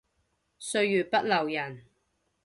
歲月不留人